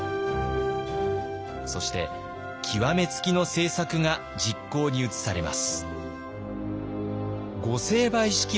そして極め付きの政策が実行に移されます。